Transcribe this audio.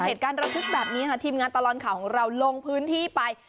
เหตุการณ์ระทึกแบบนี้ค่ะทีมงานตลอดข่าวของเราลงพื้นที่ไป